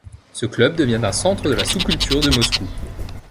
Ce club devient un centre de la sous-culture de Moscou.